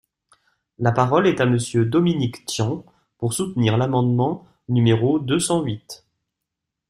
La parole est à Monsieur Dominique Tian, pour soutenir l’amendement numéro deux cent huit.